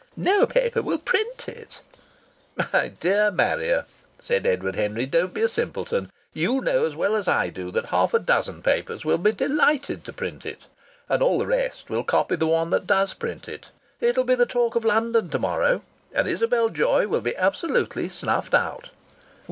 "No paper will print it!" "My dear Marrier," said Edward Henry, "don't be a simpleton. You know as well as I do that half a dozen papers will be delighted to print it. And all the rest will copy the one that does print it. It'll be the talk of London to morrow, and Isabel Joy will be absolutely snuffed out."